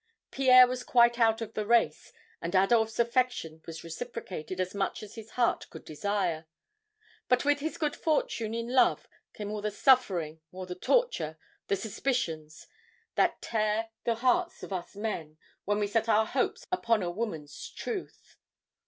Pierre was quite out of the race and Adolphe's affection was reciprocated as much as his heart could desire. But with his good fortune in love came all the suffering, all the torture, the suspicions that tear the hearts of us men when we set our hopes upon a woman's truth.